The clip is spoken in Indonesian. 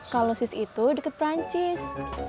kalau swiss itu deket prancis